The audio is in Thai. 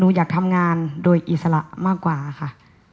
อยากทำงานโดยอิสระมากกว่าค่ะ